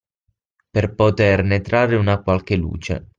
Per poterne trarre una qualche luce.